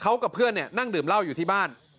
เขากับเพื่อนนั่งดื่มเหล้าอยู่ที่บ้าน